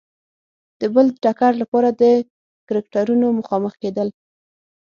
د بل ټکر لپاره د کرکټرونو مخامخ کېدل.